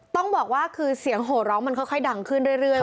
ต้องบอกว่าคือเสียงโหร้องมันค่อยดังขึ้นเรื่อย